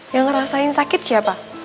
yang ngerasain sakit siapa